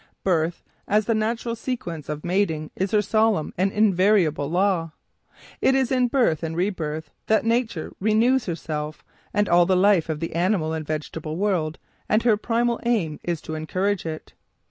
Birth as the natural sequence of mating is her solemn and invariable law. It is in birth and rebirth that nature renews herself and all the life of the animal and vegetable world, and her primal aim is to encourage it.